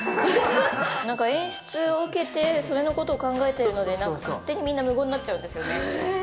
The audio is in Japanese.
なんか演出を受けて、それのことを考えているので、なんか勝手にみんな、無言になっちゃうんですよね。